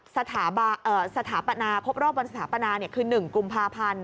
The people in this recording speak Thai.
สถาปนาครบรอบวันสถาปนาคือ๑กุมภาพันธ์